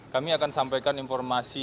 kami akan sampaikan informasi